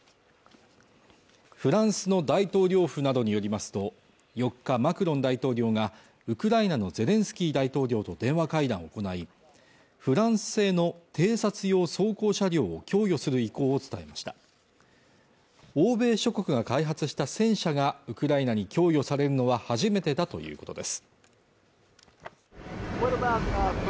フランスの大統領府などによりますと４日マクロン大統領がウクライナのゼレンスキー大統領と電話会談を行いフランス製の偵察用装甲車両を供与する意向を伝えました欧米諸国が開発した戦車がウクライナに供与されるのは初めてだということです